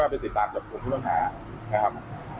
อะไรอย่างไรครับ